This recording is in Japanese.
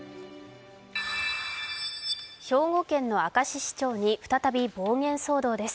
兵庫県の明石市長に再び暴言騒動です。